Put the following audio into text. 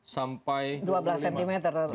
sampai delapan belas cm